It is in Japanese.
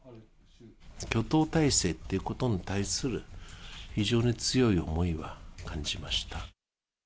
挙党体制ということに対する非常に強い思いは感じました。